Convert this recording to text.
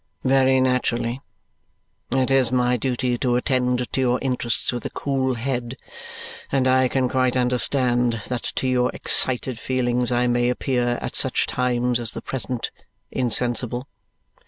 "Very naturally. It is my duty to attend to your interests with a cool head, and I can quite understand that to your excited feelings I may appear, at such times as the present, insensible.